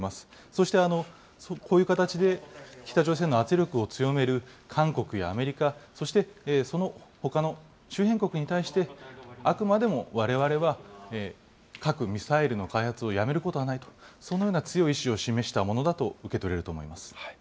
そして、こういう形で北朝鮮が圧力を強める韓国やアメリカ、そしてそのほかの周辺国に対して、あくまでもわれわれは、核・ミサイルの開発をやめることはないと、そのような強い意思を示したものだと受け取れると思います。